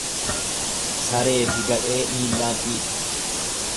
Sareefi gadhee miillaan dhiitu.